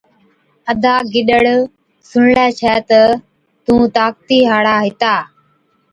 ادا گِڏڙ، سُڻلَي ڇَي تہ تُون طاقتِي هاڙا هِتا۔